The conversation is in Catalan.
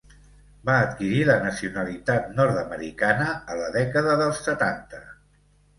Va adquirir la nacionalitat nord-americana a la dècada dels setanta.